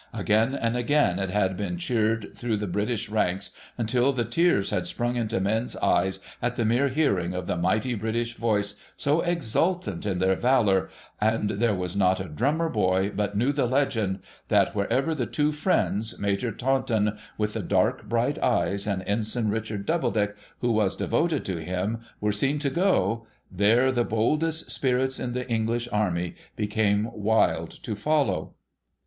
Again and again it had been cheered through the l^ritish ranks until the tears had sprung into men's eyes at the mere hearing of the mighty British voice, so exultant in their valour ; and there was not a drummer boy but knew the legend, that wherever tlie two friends, Major Taunton, with the dark, bright eyes, and Ensign Richard Doubledick, who was devoted to him, were seen to go, there the boldest spirits in the English army became wild to follow.